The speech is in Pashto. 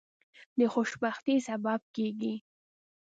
د خوشبختی سبب کیږي.